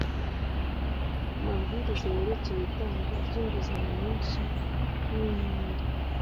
amabwiriza yerekeye itangwa ry’inguzanyo nyinshi n’imyenda